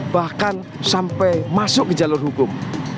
bahkan sampai masuk ke jalur hukum